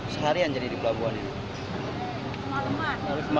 sehari semalam ini belum bisa berangkat juga pak